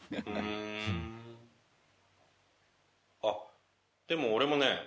あっでも俺もね。